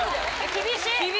厳しい。